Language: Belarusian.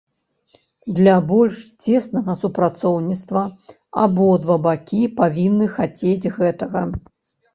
Для больш цеснага супрацоўніцтва абодва бакі павінны хацець гэтага.